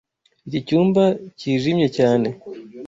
Iki cyumba cyijimye cyane.